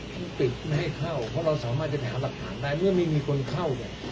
ต้องปิดไม่ให้เข้าเพราะเราสามารถจะหาหลักฐานได้เมื่อไม่มีคนเข้าเนี่ย